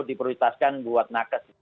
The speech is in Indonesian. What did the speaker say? diprioritaskan buat nakas